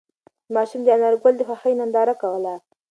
ماشوم د انارګل د خوښۍ ننداره کوله.